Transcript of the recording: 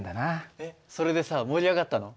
えっそれでさ盛り上がったの？